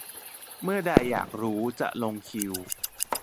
เมื่อใด อยากรู้ จะลงคิว